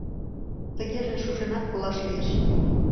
Тыгеже шуженат колаш лиеш...